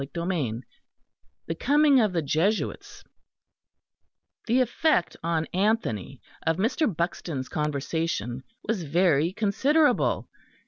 CHAPTER V THE COMING OF THE JESUITS The effect on Anthony of Mr. Buxton's conversation was very considerable.